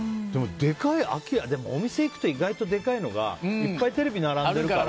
お店に行くと、意外とでかいのがいっぱいテレビ並んでるから。